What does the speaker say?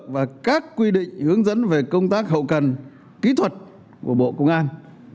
và các quy định hướng dẫn về công tác hậu cần kỹ thuật của bộ công an